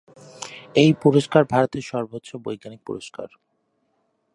এই পুরস্কার ভারতের সর্বোচ্চ বৈজ্ঞানিক পুরস্কার।